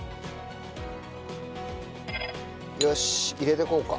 よし入れてこうか。